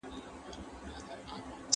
ایا مسلکي بڼوال ممیز اخلي؟